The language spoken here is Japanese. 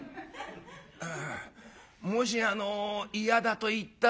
「ああもしあの嫌だと言ったら」。